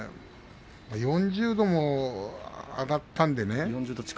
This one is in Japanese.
４０度も上がったのでね。